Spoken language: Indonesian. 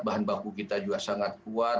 bahan baku kita juga sangat kuat